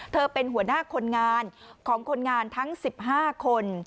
เป็นหัวหน้าคนงานของคนงานทั้ง๑๕คน